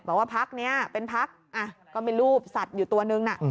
บอกว่าพักนี้เป็นพักก็มีรูปสัตว์อยู่ตัวนึง